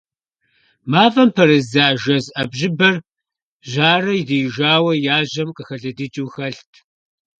МафӀэм пэрыздза жэз Ӏэбжьыбыр жьарэ диижауэ яжьэм къыхэлыдыкӀыу хэлът.